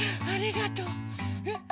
ありがとう。